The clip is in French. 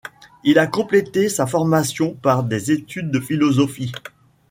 Il a complété sa formation par des études de philosophie.